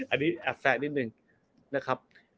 อันนี้แอบแซะนิดนึงนะครับ